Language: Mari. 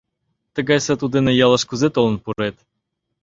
— Тыгай «сату» дене ялыш кузе толын пурет?